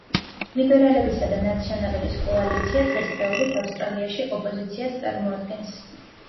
ლიბერალებისა და ნაციონალების კოალიცია დღესდღეობით ავსტრალიაში ოპოზიციას წარმოადგენს.